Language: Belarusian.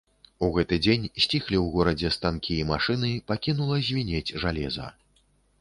У гэты дзень сціхлі ў горадзе станкі і машыны, пакінула звінець жалеза.